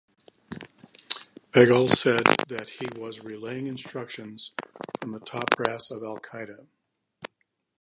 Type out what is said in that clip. Beghal said that he was relaying instructions from the top brass of Al-Qaida.